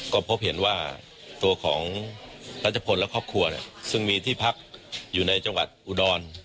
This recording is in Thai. ก็พบเห็นว่าตัวของรัชพลและครอบครัวซึ่งมีที่พักอยู่ในจังหวัดอุดร